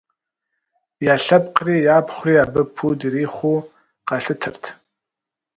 Я лъэпкъри япхъури абы пуд ирихъуу къалъытэрт.